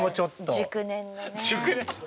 熟年のね。